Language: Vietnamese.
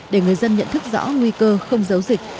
để người dân nhận thức rõ nguy cơ không giấu dịch